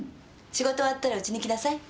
仕事終わったらうちに来なさい。